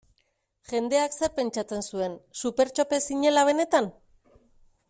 Jendeak zer pentsatzen zuen, Supertxope zinela benetan?